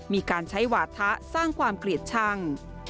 มีการใช้หวาทะสร้างความเกลียดชั่ง